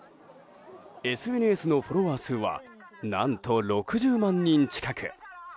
ＳＮＳのフォロワー数は何と、６０万人近く。